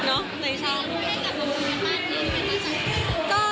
เนอะในช่องคือ